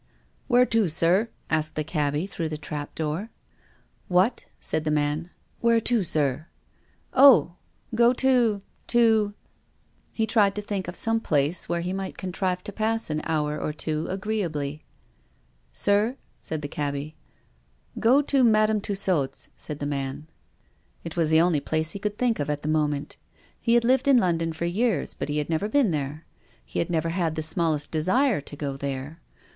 " Where to, sir ?" asked the cabby through the trap door. " What?" said the man. " Where to, sir ?"" Oh ! go to— to " III 112 TONGUES OF CONSCIENCE. He tried to think of some place where he might contrive to pass an hour or two agreeably. " Sir ?" said the cabby. " Go to Madame Tussaud's," said the man. It was the only place he could think of at the moment. He had lived in London for years but he had never been there. He had never had the smallest desire to go there.